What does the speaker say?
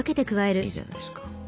いいじゃないですか。